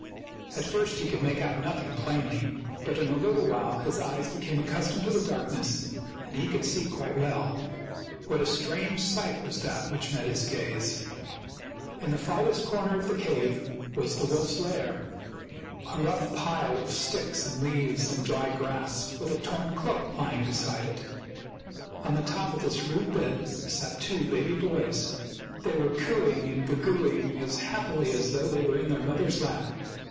At first he could make out nothing plainly; but in a little while his eyes became accustomed to the dark ness and he could see quite well. What a strange sight was that which met his gaze ! In the farthest corner of the cave was the wolf's lair — a rough pile of sticks and leaves and dry grass, with a torn cloak lying beside it. On the HOW ROME WAS FOUNDED 187 top of this rude bed sat two baby boys. They were cooing and goo gooing as happily as though they were in their mother's lap.